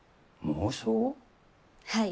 はい。